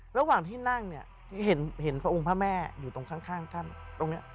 ระหว่างที่นั่งเนี่ยเห็นพระองค์พระแม่อยู่ตรงข้างท่านตรงนี้